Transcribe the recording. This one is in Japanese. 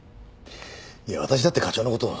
いや私だって課長の事は。